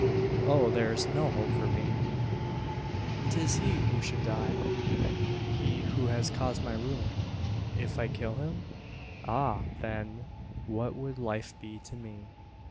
Oh! there is no hope for me! "'Tis he who should die; he who has caused my ruin. If I kill him? Ah, then; what would life be to me?